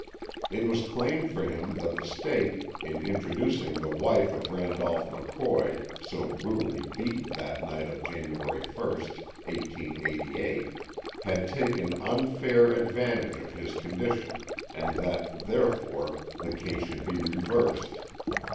It was claimed for him that the State, in introducing the wife of Randolph McCoy, so brutally beaten that night of January 1st, 1888, had taken unfair (?) advantage of his condition and that, therefore, the case should be reversed.